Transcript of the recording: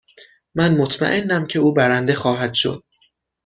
من مطمئنم که او برنده خواهد شد.